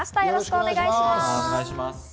よろしくお願いします。